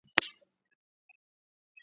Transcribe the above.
Iniandjikiye ku message ya kawahida